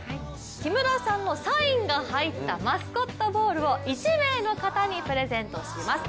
木村さんのサインが入ったマスコットボールを１名の方にプレゼントします。